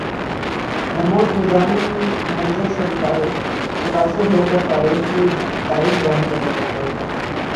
محمود نظامی منظر سے متاثر ہو کر تاریخ بیان کرنے لگتے ہیں